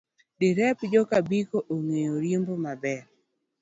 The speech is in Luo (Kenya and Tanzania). Derep joka Biko ong'eyo riembo maber.